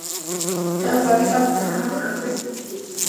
دا د فلاني کال د ډسمبر په وروستیو کې وشو.